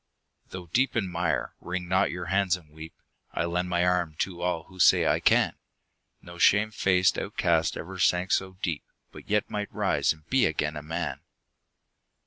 Though deep in mire, wring not your hands and weep; I lend my arm to all who say "I can!" No shame faced outcast ever sank so deep, But yet might rise and be again a man